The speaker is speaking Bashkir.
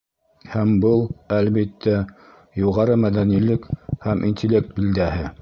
Һәм был, әлбиттә, юғары мәҙәнилек һәм интеллект билдәһе.